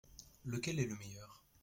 Lequel est le meilleur ?